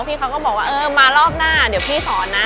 พี่เขาก็บอกว่าเออมารอบหน้าเดี๋ยวพี่สอนนะ